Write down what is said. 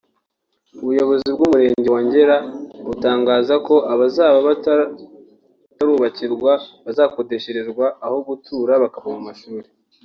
ubuyobozi bw’Umurenge wa Ngera butangaza ko abazaba batarubakirwa bazakodesherezwa aho gutura bakava mu mashuri